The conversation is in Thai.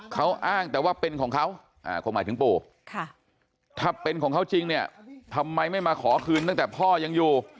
เขาอ้างแต่ว่าเป็นของเขาคงหมายถึงปู่ถ้าเป็นของเขาจริงเนี่ยทำไมไม่มาขอคืนตั้งแต่พ่อยังอยู่